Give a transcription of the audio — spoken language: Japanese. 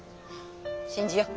信じよう。